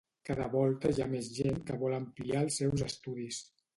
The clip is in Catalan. Cada volta hi ha més gent que vol ampliar els seus estudis.